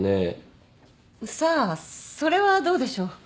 さあそれはどうでしょう。